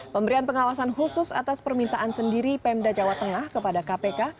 pemberian pengawasan khusus atas permintaan sendiri pemda jawa tengah kepada kpk